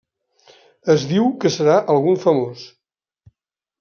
Es diu que serà algun famós.